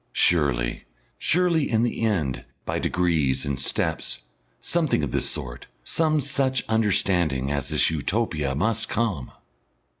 Surely, surely, in the end, by degrees, and steps, something of this sort, some such understanding, as this Utopia must come.